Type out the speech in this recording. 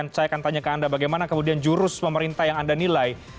saya akan tanya ke anda bagaimana kemudian jurus pemerintah yang anda nilai